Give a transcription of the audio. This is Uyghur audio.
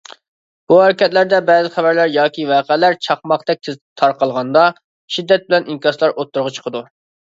بۇ ھەرىكەتلەردە، بەزى خەۋەرلەر ياكى ۋەقەلەر چاقماقتەك تىز تارقالغاندا، شىددەت بىلەن ئىنكاسلار ئوتتۇرىغا چىقىدۇ.